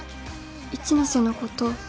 一ノ瀬のこと